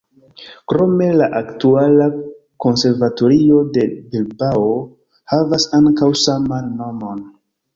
Krome la aktuala konservatorio de Bilbao havas ankaŭ saman nomon.